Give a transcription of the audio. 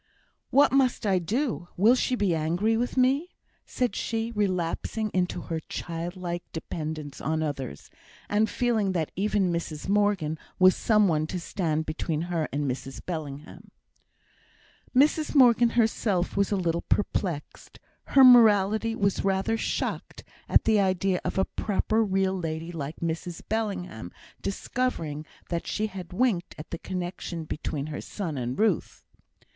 "What must I do? Will she be angry with me?" said she, relapsing into her child like dependence on others; and feeling that even Mrs Morgan was some one to stand between her and Mrs Bellingham. Mrs Morgan herself was a little perplexed. Her morality was rather shocked at the idea of a proper real lady like Mrs Bellingham discovering that she had winked at the connexion between her son and Ruth.